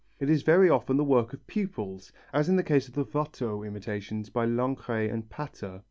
It is very often the work of pupils, as in the case of the Watteau imitations by Lancret and Pater.